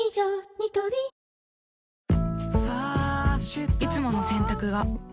ニトリいつもの洗濯が